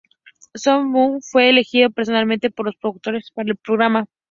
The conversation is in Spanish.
Song Minho fue elegido personalmente por los productores para el programa.